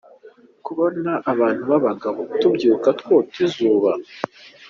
Kubona abantu b’abagabo tubyuka twota izuba!’.